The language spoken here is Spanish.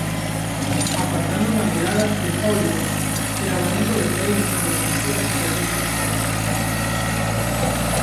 Apartando la mirada de Hollywood, el abanico de premios y nominaciones resulta extenso.